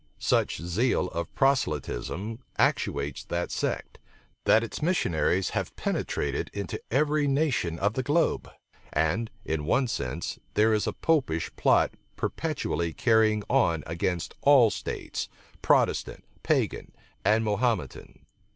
Such zeal of proselytism actuates that sect, that its missionaries have penetrated into every nation of the globe; and, in one sense, there is a Popish plot perpetually carrying on against all states, Protestant, Pagan, and Mahometan.